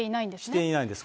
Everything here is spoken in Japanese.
していないんです。